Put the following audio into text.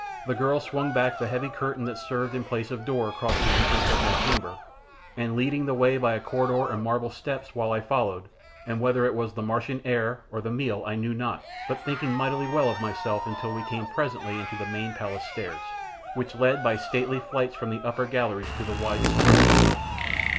The girl swung back the heavy curtain that served in place of door across the entrance of my chamber, and leading the way by a corridor and marble steps while I followed, and whether it was the Martian air or the meal I know not, but thinking mighty well of myself until we came presently onto the main palace stairs, which led by stately flights from the upper galleries to the wide square below.